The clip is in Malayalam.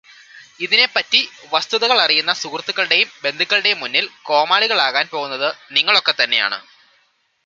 ഇതിനെ പറ്റി വസ്തുതകളറിയുന്ന സുഹൃത്തുക്കളുടെയും ബന്ധുക്കളുടെയും മുന്നിൽ കോമാളികളാകാൻ പോകുന്നത് നിങ്ങളൊക്കെ തന്നെയാണ്.